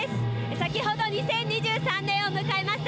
先ほど２０２３年を迎えました。